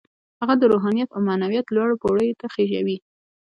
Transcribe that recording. هغه د روحانيت او معنويت لوړو پوړيو ته خېژوي.